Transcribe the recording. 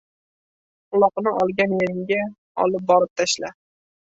Uloqni olgan yeringga olib borib tashla!